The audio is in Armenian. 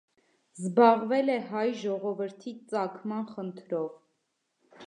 Զբաղվել է հայ ժողովրդի ծագման խնդրով։